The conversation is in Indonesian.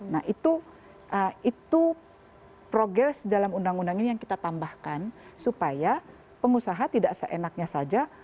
nah itu progres dalam undang undang ini yang kita tambahkan supaya pengusaha tidak seenaknya saja